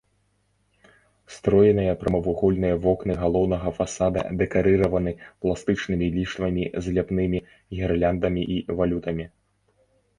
Строеныя прамавугольныя вокны галоўнага фасада дэкарыраваны пластычнымі ліштвамі з ляпнымі гірляндамі і валютамі.